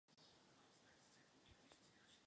Verze pro indický trh se od tohoto modelu výrazně liší.